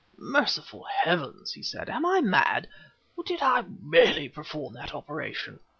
"Merciful heavens!" he said, "am I mad or did I really perform that operation?